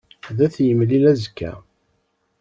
Ad t-yemlil azekka.